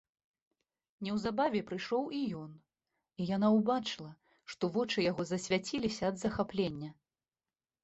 Неўзабаве прыйшоў і ён, і яна ўбачыла, што вочы яго засвяціліся ад захаплення.